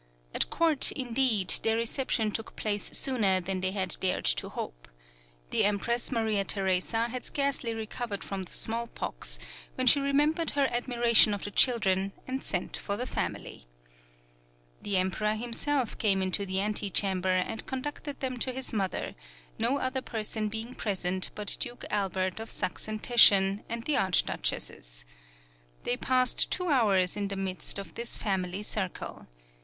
At court, indeed, their reception took place sooner than they had dared to hope. The Empress Maria Theresa had scarcely recovered from the small pox, when she remembered her admiration of the children, and sent for the family. The Emperor himself came into the ante chamber, and conducted them to his mother, no other person being present but Duke Albert of Sachsen Teschen, and the Archduchesses. They passed two hours in the midst of this family circle.